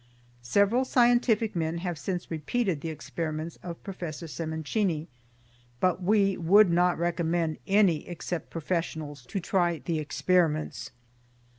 Several scientific men have since repeated the experiments of Professor Sementini, but we would not recommend any except professionals to try the experiments.